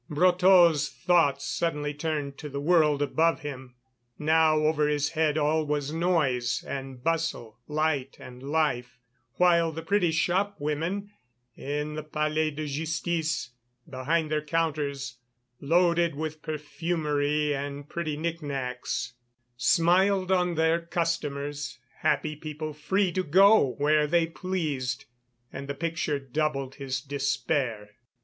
Brotteaux's thoughts suddenly turned to the world above him, how over his head all was noise and bustle, light and life, while the pretty shopwomen in the Palais de Justice behind their counters, loaded with perfumery and pretty knicknacks, smiled on their customers, happy people free to go where they pleased, and the picture doubled his despair.